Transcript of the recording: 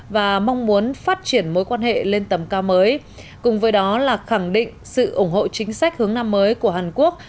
và mong muốn phát triển mối quan hệ lên tầm cao mới cùng với đó là khẳng định sự ủng hộ chính sách hướng năm mới của hàn quốc